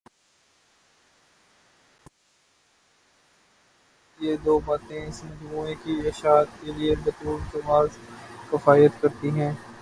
اس پہ مستزاد ان کا اسلوب یہ دوباتیں اس مجموعے کی اشاعت کے لیے بطورجواز کفایت کرتی ہیں۔